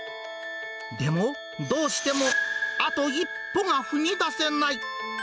でも、どうしてもあと一歩が踏み出せない。